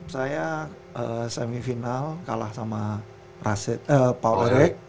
sembilan puluh enam saya semifinal kalah sama paul erek